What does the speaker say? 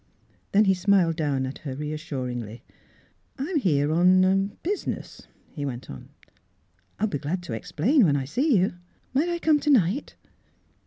Then he smiled down at her reassur ingly. " I'm here on — er — business," he went on. " I'll be glad to explain when I see you. Might I come to night?"